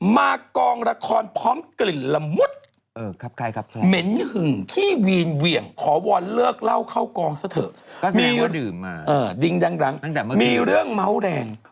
มากองละครพร้อมกลิ่นละมุด